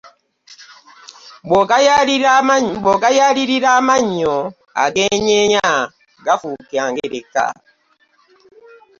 Bwogayaalirira amannyo aganyeenya gafuuka ngereka.